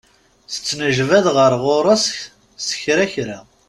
Tettnejbad ɣer ɣur-s s kra kra.